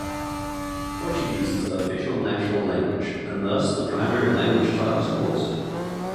Portuguese is the official national language, and thus the primary language taught in schools.